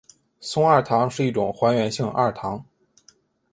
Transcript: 松二糖是一种还原性二糖。